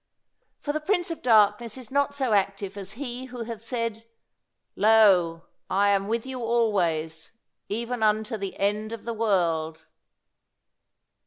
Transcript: For the prince of darkness is not so active as He who hath said, "Lo, I am with you always, even unto the end of the world."